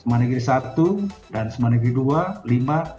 semarang negeri satu dan semarang negeri dua lima